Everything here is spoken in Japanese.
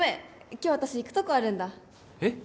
今日私行くとこあるんだえっ？